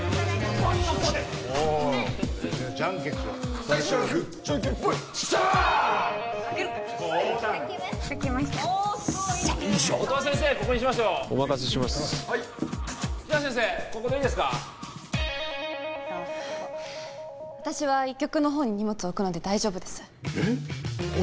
あっ私は医局のほうに荷物を置くので大丈夫ですえっ